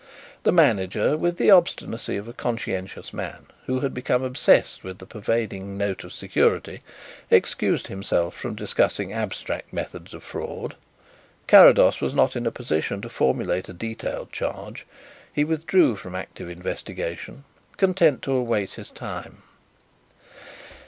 The manager, with the obstinacy of a conscientious man who had become obsessed with the pervading note of security, excused himself from discussing abstract methods of fraud. Carrados was not in a position to formulate a detailed charge; he withdrew from active investigation, content to await his time.